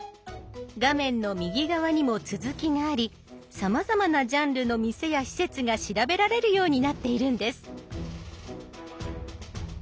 画面の右側にも続きがありさまざまなジャンルの店や施設が調べられるようになっているんです。